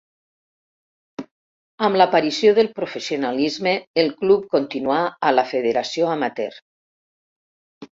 Amb l'aparició del professionalisme el club continuà a la federació amateur.